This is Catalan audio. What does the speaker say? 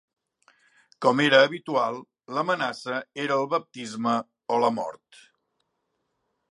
Com era habitual, l'amenaça era el baptisme o la mort.